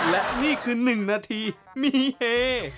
และนี่คือ๑นาทีมีเฮ